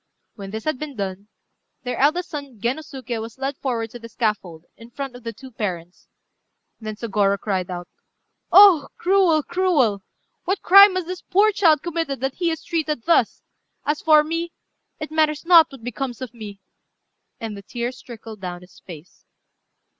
When this had been done, their eldest son Gennosuké was led forward to the scaffold, in front of the two parents. Then Sôgorô cried out "Oh! cruel, cruel! what crime has this poor child committed that he is treated thus? As for me, it matters not what becomes of me." And the tears trickled down his face.